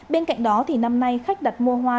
bên cạnh đó năm nay khách đặt mua hoa